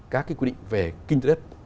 các cái quy định về kinh tế đất